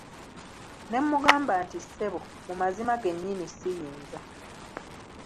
Ne mmugamba nti Ssebo, mu mazima gennyini siyinza.